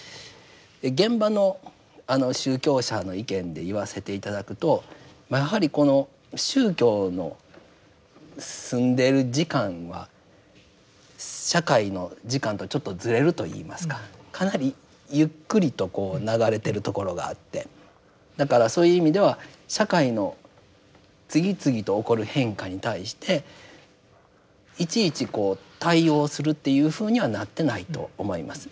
現場の宗教者の意見で言わせて頂くとやはりこの宗教の住んでいる時間は社会の時間とちょっとずれるといいますかかなりゆっくりとこう流れているところがあってだからそういう意味では社会の次々と起こる変化に対していちいちこう対応するっていうふうにはなってないと思います。